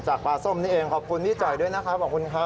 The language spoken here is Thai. ปลาส้มนี่เองขอบคุณพี่จ่อยด้วยนะครับขอบคุณครับ